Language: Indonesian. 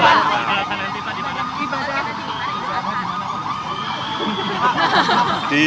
jualan di mana